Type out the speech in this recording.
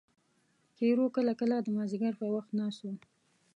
پیرو کله کله د مازدیګر پر وخت ناست و.